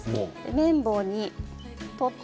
綿棒に取って。